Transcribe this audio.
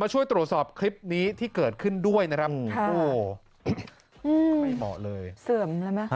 มาช่วยตรวจสอบคลิปนี้ที่เกิดขึ้นด้วยนะครับ